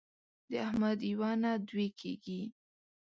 د احمد یوه نه دوې کېږي.